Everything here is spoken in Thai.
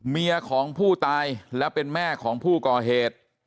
เมียของผู้ตายและเป็นแม่ของผู้ก่อเหตุ